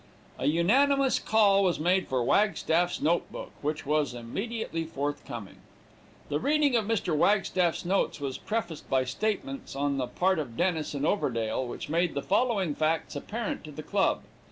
A unanimous call was made for Wagstaff's notebook, which was immediately forthcoming. The reading of Mr. Wagstaff's notes was prefaced by statements on the part of Dennis and Overdale which made the following facts apparent to the club.